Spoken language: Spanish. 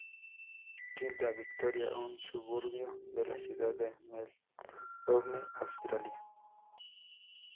Kilda, Victoria, un suburbio de la ciudad de Melbourne, Australia.